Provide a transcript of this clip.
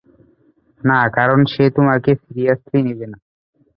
না, কারণ সে তোমাকে সিরিয়াসলি নিবে না।